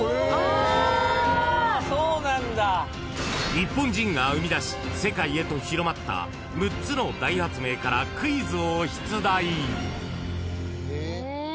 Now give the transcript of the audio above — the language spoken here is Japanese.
［日本人が生み出し世界へと広まった６つの大発明からクイズを出題］